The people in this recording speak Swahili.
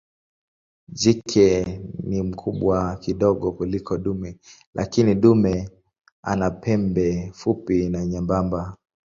Jike ni mkubwa kidogo kuliko dume lakini dume ana pembe fupi na nyembamba.